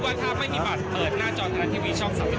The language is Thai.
ว่าถ้าไม่มีบัตรเปิดหน้าจอไทยรัฐทีวีช่อง๓๒